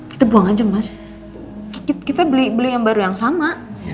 kita buang aja mas kita beli yang baru yang sama